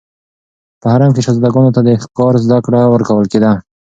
په حرم کې شهزادګانو ته د ښکار زده کړه ورکول کېده.